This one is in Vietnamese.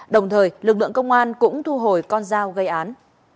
đồng thời lực lượng công an cũng thu hồi con dao gây án